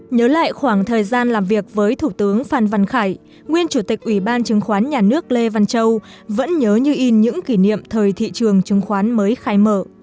nhớ lại khoảng thời gian làm việc với thủ tướng phan văn khải nguyên chủ tịch ủy ban chứng khoán nhà nước lê văn châu vẫn nhớ như in những kỷ niệm thời thị trường chứng khoán mới khai mở